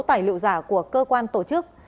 tài liệu giả của cơ quan tổ chức